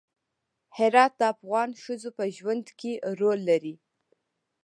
هرات د افغان ښځو په ژوند کې رول لري.